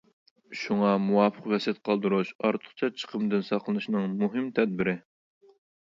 شۇڭا مۇۋاپىق ۋەسىيەت قالدۇرۇش ئارتۇقچە چىقىمدىن ساقلىنىشنىڭ مۇھىم تەدبىرى.